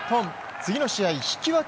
次の試合、引き分け